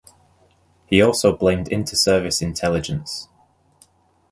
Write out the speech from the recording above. He also blamed Inter Service Intelligence.